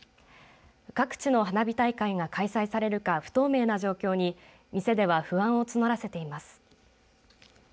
各地の花火大会が開催されるか不透明な状況に店では不安を募らせています。